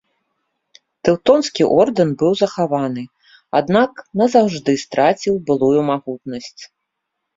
Тэўтонскі ордэн быў захаваны, аднак назаўжды страціў былую магутнасць.